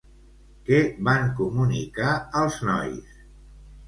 Què van comunicar als nois?